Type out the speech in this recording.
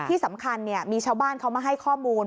ที่สำคัญมีชาวบ้านเขามาให้ข้อมูล